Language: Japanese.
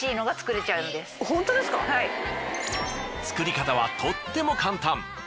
作り方はとっても簡単。